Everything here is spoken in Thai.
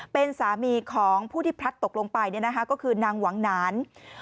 เป็นสามีของผู้ที่พลัดตกลงไปก็คือนางหวังหนาน